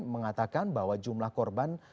beri tahu tentang jumlah korban